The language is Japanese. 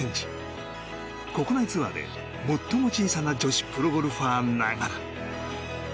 国内ツアーで最も小さな女子プロゴルファーながら